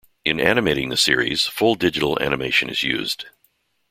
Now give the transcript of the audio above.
In animating the series, full-digital animation is used.